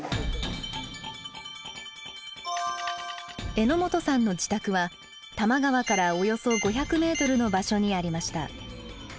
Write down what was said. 榎本さんの自宅は多摩川からおよそ５００ｍの場所にありました。